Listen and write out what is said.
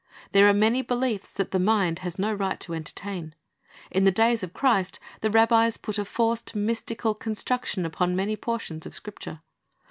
There are many beliefs that the mind has no right to entertain. In the days of Christ the rabbis put a forced, mystical construction upon many portions of Scripture.